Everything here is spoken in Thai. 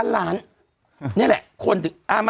หรอหรอหรอหรอหรอหรอ